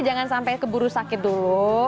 jangan sampai keburu sakit dulu